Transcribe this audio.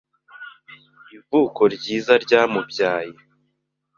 Ivuko ryiza ryamubyaye